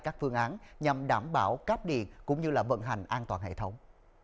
các phương án nhằm đảm bảo cáp điện cũng như vận hành an toàn hệ thống